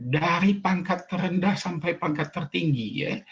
dari pangkat terendah sampai pangkat tertinggi ya